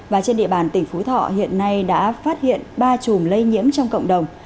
và trên địa bàn tỉnh phú thọ hiện nay đã phát hiện ba chùm lây nhiễm trong cộng đồng